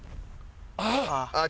あっ。